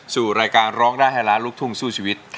สู่รายการร้องได้ให้ล้านลูกทุ่งสู้ชีวิต